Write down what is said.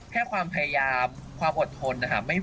แค่ความพยายามความอดทนนะคะ